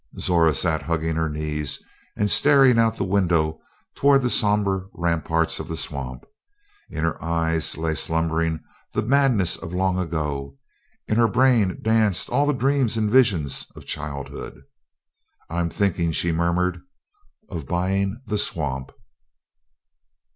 Zora sat hugging her knees and staring out the window toward the sombre ramparts of the swamp. In her eyes lay slumbering the madness of long ago; in her brain danced all the dreams and visions of childhood. "I'm thinking," she murmured, "of buying the swamp."